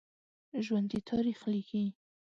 ژوندي تاریخ لیکي